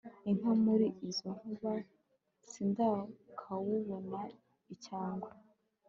inkaka muri izo nkuba sindakawubona icyangwe